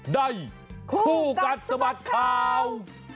ได้คู่กันสมัครคลาว